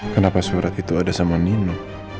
kenapa surat itu ada sama nino